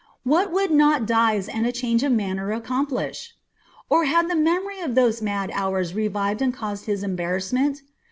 What would not dyes and a change of manner accomplish! Or had the memory of those mad hours revived and caused his embarrassment?